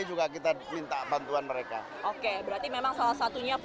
juga kita minta bantuan mereka oke berarti memang salah satunya